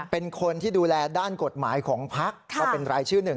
เป็นคนที่ดูแลด้านกฎหมายของพักก็เป็นรายชื่อหนึ่ง